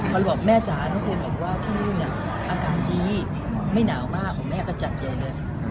พอบอกแม่จ๋าทุกคนบอกว่าที่อากาศดีไม่หนาวมากแม่ก็จัดเลยเลย